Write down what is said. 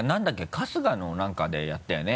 春日の何かでやったよね？